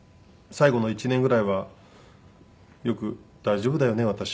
最後の１年ぐらいはよく「大丈夫だよね？私」。